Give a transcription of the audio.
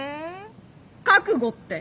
覚悟って？